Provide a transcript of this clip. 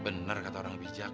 eh bener kata orang bijak